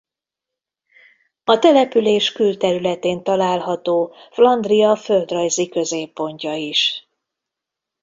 A település külterületén található Flandria földrajzi középpontja is.